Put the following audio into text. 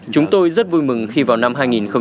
chúng tôi rất vui mừng khi vào năm hai nghìn một mươi chín